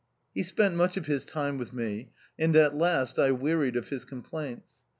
He spent much of his time with me, and at last I wearied of his complaints.